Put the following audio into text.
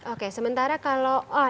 oke sementara kalau